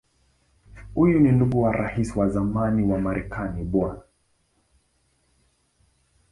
Huyu ni ndugu wa Rais wa zamani wa Marekani Bw.